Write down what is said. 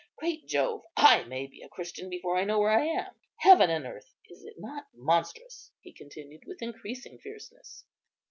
Great Jove! I may be a Christian before I know where I am. Heaven and earth! is it not monstrous?" he continued, with increasing fierceness.